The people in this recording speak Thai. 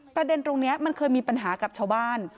ประเด็นตรงนี้มันเคยมีปัญหากับชาวบ้าน